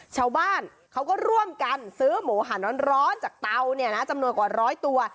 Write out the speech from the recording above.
ชาวบ้านเขาก็ร่วมกันซื้อหมูหันร้อนจากเตาเนี่ยนะจำนวนกว่าร้อยตัว